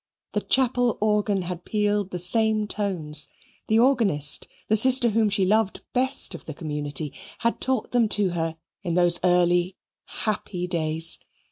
The chapel organ had pealed the same tones, the organist, the sister whom she loved best of the community, had taught them to her in those early happy days.